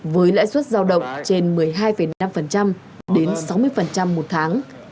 với lãi suất giao động trên một mươi hai năm đến sáu mươi một tháng